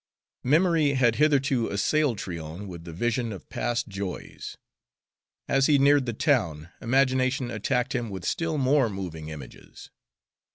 Memory had hitherto assailed Tryon with the vision of past joys. As he neared the town, imagination attacked him with still more moving images.